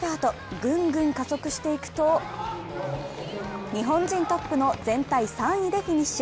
ぐんぐん加速していくと日本人トップの全体３位でフィニッシュ。